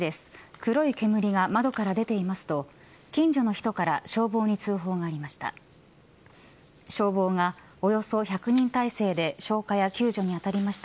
黒い煙が窓から出ていますと近所の人から消防に通報がありました。